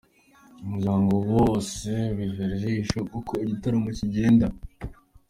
Umuryango wose wihera ijisho uko igitaramo kigenda.